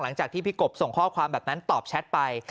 หลังจากที่พี่กบส่งข้อความแบบนั้นตอบแชทไป